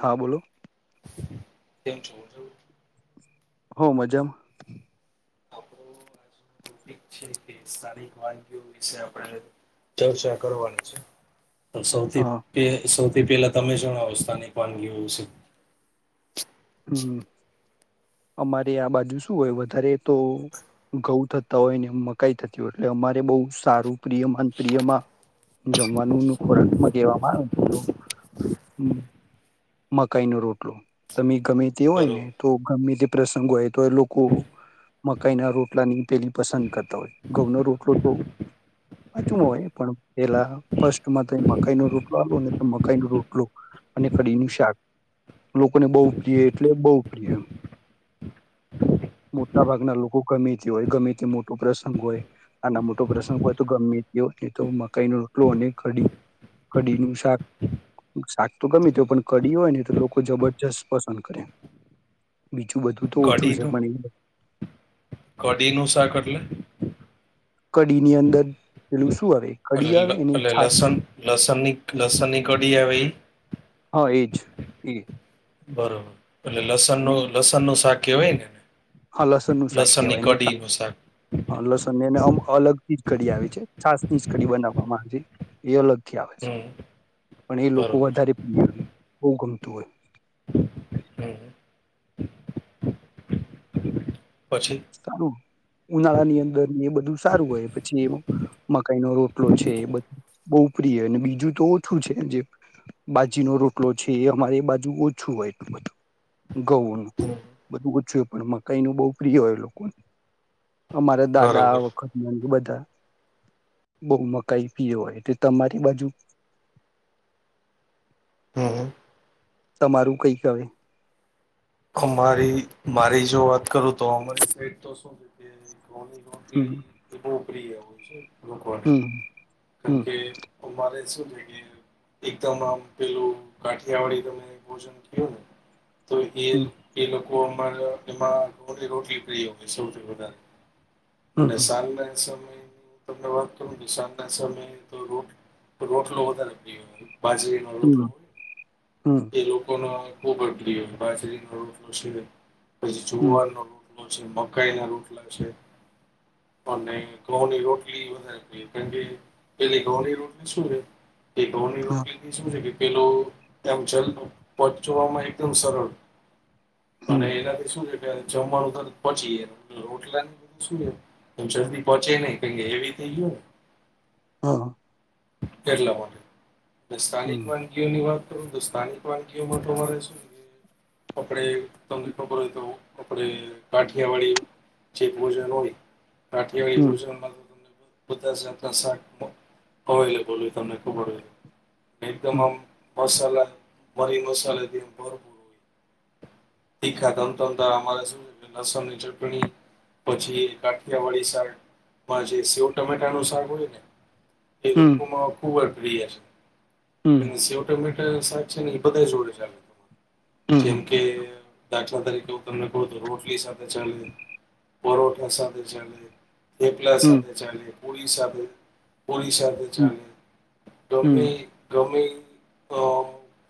હા બોલો તેમ [unintelligible] હો મજામાં કે સ્થાનિક વાનગીઓ વિશે આપણે ચર્ચા કરવાની છે તો સૌથી હા પે સૌથી થી પેલા તમે શણ અવસ્થાની વાનગી હોવું છે. હમ્મ, અમારે આ બાજુ શું હોય વધારે તો ઘઉં થતા હોય ને મકાઈ થતી હોય એટલે અમારે બહુ સારું પ્રિયમન પ્રિયમાં જમવાનું ખોરાકમાં લેવામાં આમ તો મકાઈ નો રોટલો તમે ગમે તે હોય ને બરોબર તો ગમે તે પ્રસંગો હોય તો એ લોકો મકાઈ ના રોટલા ની પેલી પસંદ કરતા હોય ઘઉં ન રોટલો તો આ જુ ન હોય પણ પેલા ફર્સ્ટમાં તો મકાઈ ન રોટલો ને મકાઈ ન રોટલો અને કઢી શા ક લોકોને બહુ પ્રિય એટલે બહુ પ્રિય. મોટા ભાગના લોકો ગમે તે હોય ગમે તે મોટો પ્રસંગ હોય આના મોટો પ્રસંગ હોય તો ગમે તે હોય તો મકાઈ ન રોટલો કઢી. કઢીનું શાક શાક તો ગમે તે હોય પણ કઢી હોય ને તો લોકો જબરજસ્ત પસંદ કરે. બીજું બધું તો ઓછું છે. પણ એ કઢી નું શાક એટલે? કઢીની અંદર પેલું શું આવે એટલે કઢી લ આવે એની એટલે છાસ લસન, લસણની, લસણની કઢી આવે એ? હા એજ એ બરોબર. એટલે લસણનું, અને લસણનું શાક કેહવાય ને? હા, લસણ નું શાક લસણની કહેવાયને. કઢીનું શાક હા, લસણને આમ અલગ થી જ કઢી આવે છે. છાસ ની જ કઢી બનાવવામાંમાં આવે છે એ અલગ થી આવે છે. હમ પણ એ લોકો બરોબર વધારે પ્રિય. બહુ ગમે. તો [unintelligible] હમ [inaudible] સારું ઉનાળા ની અંદર એ બધું સારું હોય પછી મકાઈ નો રોટલો છે એ બધ બહુ પ્રિય અને બીજું તો ઓછું છે જે બાજીનોો રોટલો છે એ અમારે બાજુ ઓછું હોય એટલું બધું ગૌનું હમ બધું ક પણ મકાઈ નું બહુ પ્રિય હોય લોકોને. અમારે દાદા બરોબર વખત ના બધા બહુ મકાઈ પીયો હોય એટ તમારી બાજુ હમ તમારું કઈ કવે. અમારી મારી જો વાત કરું તો અમારી સડ તો શું છે. કો હમ એવું. પ્રિય હોય છે. લોકોને હમ કારમ હમ કે અમારે એકમ આમ પેલું ગાઠિયા વાળી તમે ભોજન થયું ને તો હમ એ એ લોકો અ એમાં ર રોટલી પ્ર સૌથી વધારે અને હમ સાંગને સ તમને વાત કરું નિશાન ના સમયે તો રોટ રોટલો વધારે ગ બાજરીનો રોટલો હોય હમ એ લોકોનો બ બડતી બાજરીનો રોટલો છે. પછ હમ હમ જોવાનો ર છે મકાઈ ના રોટલા છે અને ઘઉ ની રોટલી વધારે કારણ કે પેલી ઘઉ ની રોટલી શું છે? હા [unintelligible] પેલો તેમ છે પ જોવામાં એકદમ સરળ હમ અને એનાથી શું જમવાનું તો પહચી જ રટલા બધું શું છે જલ્દી પહોંચે નહી કે એવી થઈ ગયો ને. હા એટલા મન સ્થાનિક હમ વાનગીઓની વાત હિન્દુસ્તાનિ વાનગીઓમાં તમારે શું? આપણે તમને ખબર હોય તો આપણે કાઠિયા વાળી ચક વોજન હોય. હમ રાઠિયાવાળી ભણ બધા શાક અવેલેબલ હોય તમને ખબર હો એક હમ મસાલા મરી મસાલા દ એમ ભરપૂર હોય. તીખા તંતંતરરે જોય લસણની ચટણી પછી કાઠિયા વાળી શાકમાં જે સેવ ટમેટાનું શાક હોય ને એ હમ લોકો માં ખુબ. વીય હમ એ ઓટોમે સાચ છે ને એ બધા જોડે ચાલે હમ જેમ કે દાખલા તરીકે હું તમને કહું તો રોટલી સાથે ચાલે પરઠા સાથે ચાલે. થેપલે હમ તે ચા અને ઓડસાભ ઓડિશાથી ચાલે ગમેમે હમ ગમે અ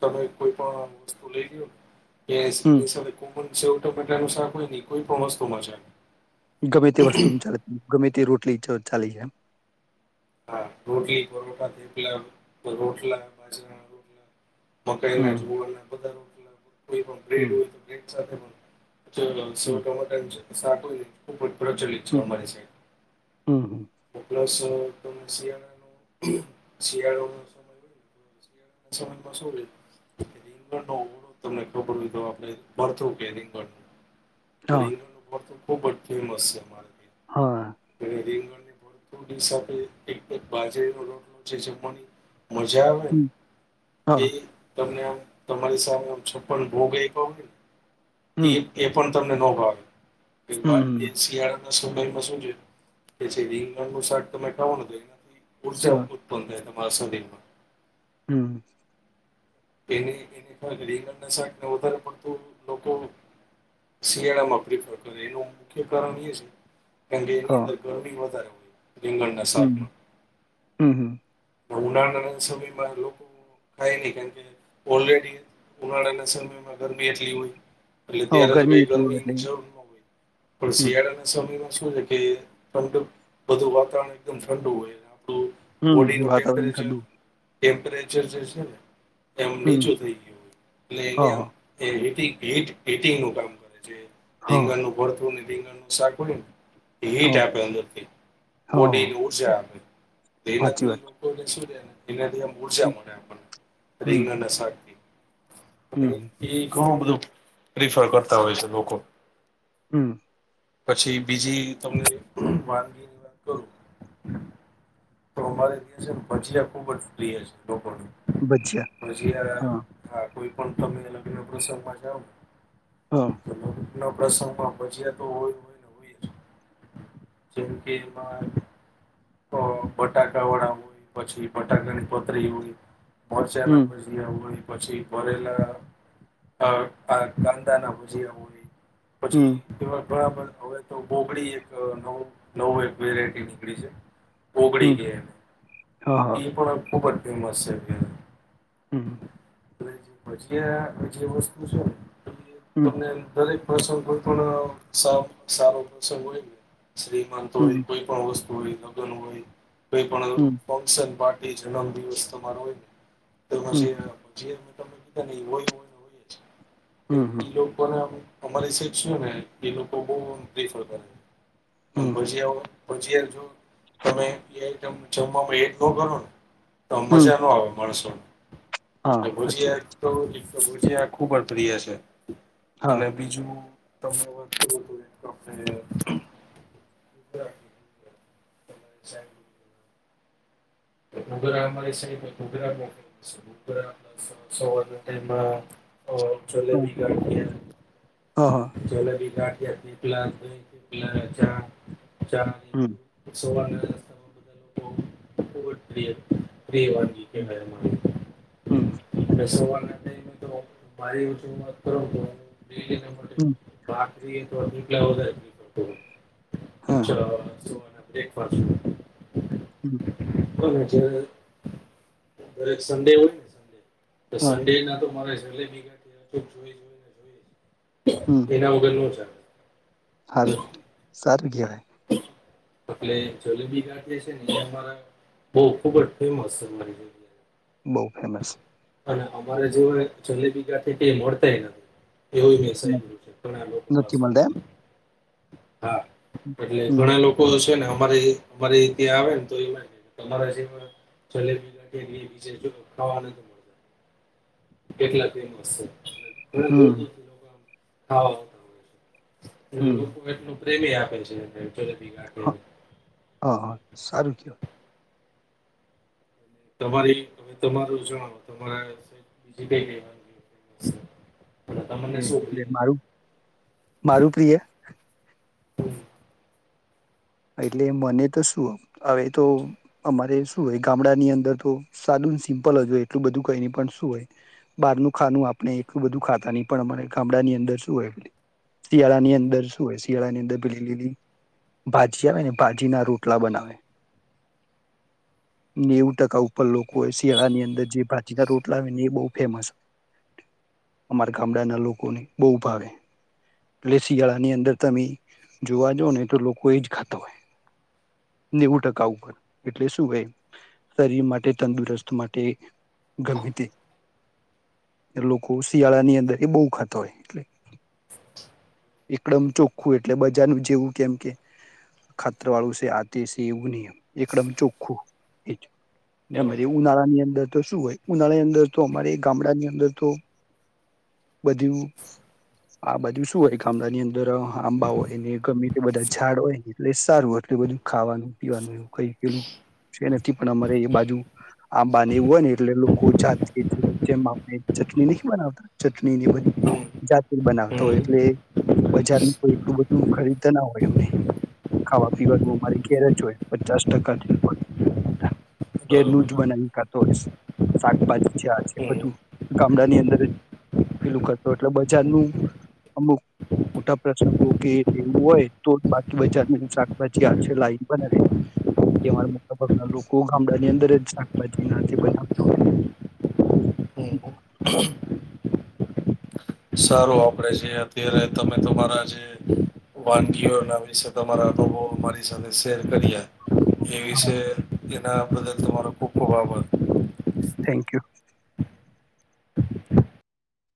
તમે કોઈ પણ વસ્તુ લઈ જૂઓ. એ એ હમ સવ એટ અનુસાર કોઈ નહી કોઈ પણ વસ્તુ મ જાય. ગમે તે વસ્તુ ચાલતી ગમે તે રોટલી ચાલી છેમ. હા, રોટલી, પરોઠા, થેપલાં પછ રોટલા બાજરાના મકઈના, હમ જુવારના બધાના કોઈ પણ બ્રેડ હમ હોય તો બ્રેડ સાથે પણ સેવ હમ ટામેટાંનું શાક હોય ખુબ જ પ્રચલિત છે હમ અમારી સાઈડ. હમ હમ ને પ્લસ શિયાળો, શિયાળો ના સમય માં શું હોય રીંગણનો ઓળો તમને ખબર હોય તો આપણે ભરથું કે રીંગણ હા રીંગણ નું ભરથું ખૂબ જ ફેમસ છે. માર હા એ રીંગણ ભરથું ની સાથે એક તો બાજરીનો રોટલો જે જમવાની મજા આવે હમ ને હા એ તમને આમ તમારી સામે આમ છપ્પન ભોગ એઈય તો હમ એ એ પણ તમને ન ભાવે. હમ [unintelligible] હમ એક શિયાળા [unintelligible] શું જોઈએ કે જે રીંગણ નું શાક તમારે ખાવાનું જોઈએ. ઉર્જા હા ઉત્પન્ન [unintelligible] માસુદીમાં. હમ એ એને કરીંગણના શાકને વધારે પડતું લોકો શિયાળામાં પ્રફર કરે એનું મુખ્ય કારણ એ છે. કારણ કે એની હા અંદર ગરણી વધારે હો રીંગણના હમ સાધમાં હમ હમ ઉનાળાના સમયમાં લોકો થાય નહી કારણકે ઓલરેડી ઉનાળાના સમયમાં ગરમી એટલી હોય. એટલે હ ત્યારે તો ગરમી કઈ [unintelligible] એટલી હોય એટલે જરૂર ન હોય પણ હમ શિયાળાના સમયમાં શું છે કે બધું વાતાવરણ એકદમ ઠંડુ હોય. આપણું હમ બોડીનું તરણ ટેમ્પરેચર ઠડુ ટેમ્પરેચર જે છે ને એમ હમ નીચું થઈ ગયું હો એટલે એલે હા એમ હા એ પ ગ પીટિંગ નું કામ કરે. હા લંગણ ન ભર થું રિંગ નુસાર પું હટ હા અંદર બ હા હા એની ઉર્જા તે સાચી વાત નથી એનાથી આમ મુજિયા મને આપણ રિંગ હમ અને શાક ની. આપડે હમ ઈ ઈ ઘણું ધું પ્રિફર કરતા હોય છે લોકો. હમ્મ પછી બીજી તમને વાનગી ની વાત કરું તો મારે દિવસે ભચિયા ખુબ જ પ્રિય છે ડોકોની ભજીયા ભજીઆરા હા ખા કોઈ પણ તમે અલગ અનગ પ્રસંગમાં જાઓ ને હા. ના પ્રસંગમાં ભજ્યા તો હોય હોય હોય ને જ. જેમ કે એમાં ઓ બટાકા વાળા હોય પછી બટાકાની પતરી હોય મોડજા ના હમ ભજીયા હોય પછી ભરેલા આ કા-કાંદા ના ભજીયા હોય. હમ પછી તેમાં બરાબર હવે તો બોગડી એક નવું નવું એક વેરાયટી નીકળી છે. હમ ઓગળી કે એને હા હા ઈ પણ અબ બહબત ફેમસ છે અત્યારે. હમ્મ, હમ્મ. [inaudible] ભજીયા જે વસ્તુ છે ને હમ તમને દરેક પ્રસંગ પર થોડો આ સાવ-સારો પ્રસંગ હોય ને શ્રીમંત હોય હમ કોઈ પણ વસ હોળી લગન હોય કોઈ પણ ઓલો હમ ફશન પા એ જન્મ દિવસ તમારો હોય હમ ને તો ભજીયા ના ભજીયા ના તમે કીધા ન હોય હોય ને હોય જ. કે હમ ઈ લોકોને નો અમુ અમારી સેટ શું ને એ લોકો બહુ આમ પ્રિફર કરે. તમ હમ પછી આઉં ભજીયા જો તમે એ જમ જમવામાં એટગો કરો ને તો હમ મજા નો આવે માણસો હા ને સાચી ગુજિયા એક વાત તો લીફ તો ભુજી આ ખુબ પ્રિય છે હા અને બીજું તમે વાત હત અચ્છા ડગરારેગરા સવારના અ ચલે હા ભગાડી હા હા જલેબી કા પીપલા દહી પીપલા ચા જામ હમ ઉ સ અને બય વાગી કે હમ તો મારી ઓછ વાત કરો. બ હમ માટે બ તોલા ચ હા સો એક પા હમ હજ બરે સંડે હોળ. તો હા સંડે ના તો મારે [inaudible] એના વગર નો ચાલ. હારુ. સારું કેવાય. એલે જલેબી ગાંઠ છે ને મારા બહ ખુબ જ ફેમસ છે. બહુ ફેમસ. અને અમારે જોવા જલેબી ગાથીયા કઈ મળતાય નથી. એવું મે સાંભળ્યું તું તમાર લોકો નથી પાસે. મળતા હા. એમ એટલે હમ ઘણા લોકો છે ને અરે અમારે ત્યાં આવે ને તો એ તમારા જલેબી [inaudible] કેટલા ફેમસ છે. ઘણા દૂર હમ દૂરથી હા. એ લોકો એટલુ પ્રેમી આપે છે. એને જલેબી હ ગાંઠિયાને હા હા સારું કેવા. તમારી તમે તમારું જણાવો તમાં સે બીજી કઈ કઈ વાનગી [inaudible] એ એટલે મારું મારું પ્રિય એટલે મને તો શું હવે તો અમારે શું હોય ગામડાની અંદર તો સાદું સિમ્પલ જ હોય એટલું બધું કઈ ન પણ શું હોય બહારનું ખાનું આપણે એટલું બધું ખાતા નહી પણ અમારે ગામડાની અંદર શું હોય શિયાળા ની અંદર શું હોય શિયાળા ની અંદર પેલી લીલી ભાજી આવેને ભાજી ના રોટલા બનાવે. નેવું ટકા ઉપર લોકો એ શિયાળાની અંદર જે ભાજી ના રોટલા આવે ને એ બહુ ફેમસ અમારા ગામડાના લોકોને બહુ ભાવે એટલે શિયાળાની અંદર તમે જોવા જ ને તો લોક કોઈ જ ખાતા હોય. નેવું ટકા ઉપર એટલે શું હોય શરીર માટે તંદુરસ્ત માટે ગમે તે લોકો શિયાળાની અંદર એ બહુ ખાતા હોય એટલે એકડમ ચોખ્ખું એટલે બજારનું જેવું કેમ કે ખાતર વાળું છે આતે છે એવું નહી એકડમ ચોખ્ખું એજ અમારે બરોબર ઉનાળા ની અંદર તો શું હોય ઉનાળાની અંદર તો અમારે ગામડાની અંદર તો બધી આ બધું શું હોય ખામડા ની અન દર આંબા હોય ને ગમે તે બધા ઝાડ હોય ને એટલે સારું એટલે બધું ખાવાનું પીવાનું એવું. કઈ પેલું છેને થી પણ અમારે એ બાજુ આંબા ને એવું હોય ને એટલે લોકો જાત એ જેમ આપણે ચટણી નહીં બનાવતા ચટણી ને બધી જાત એ બનાવતો હમ હોય બરોબર એટલે એ બજાર નું કોઈ ઓ એટલું બધું ખરીદતા ના હોય અમને ખાવા પીવાનું અમારે ઘેર જ હોય પચાસ ટકાથી ઉપર ઘેરનું જ બનાવી ખાતો હોયસ શાકભાજી છે આ છે બધું ગામડાની અંદર અ પેલું કરતો એટલે બજારનું અમુક મોટા પ્રસંગો કે એવું હોય તો બાકી બજારની શાકભાજી આ છે લાવને બનાવે અમા મોટાભાગના લોકો ગામડાની અંદર જ શાકભાજી ના બનાવતા હોય. સારો વાપરે છે અત્યારે તમે તમારા જે વાનગીઓના વિશે તમારા અનુભવો મારી સાથે શેર કર્યા એ હોય વિશે એના બદલ તમારો ખુબ ખૂબ આભાર. Thank you.